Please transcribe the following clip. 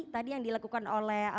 tadi yang dilakukan oleh